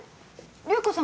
流子さん